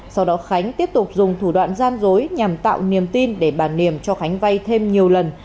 sau đó khánh tiếp tục dùng thủ đoạn gian dối nhằm tạo niềm tin để bà niềm cho khánh vay thêm nhiều lần